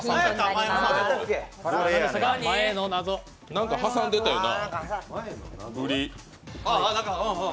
何か挟んでたよな？